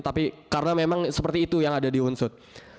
tapi karena memang seperti itu yang ada di unsut